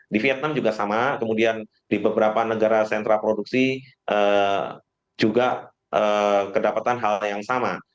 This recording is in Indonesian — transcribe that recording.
di vietnam juga sama kemudian di beberapa negara sentra produksi juga kedapatan hal yang sama